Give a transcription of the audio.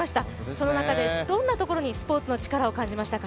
その中でどんなところにスポーツのチカラを感じましたか？